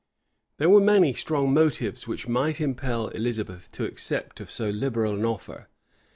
There were many strong motives which might impel Elizabeth to accept of so liberal an offer.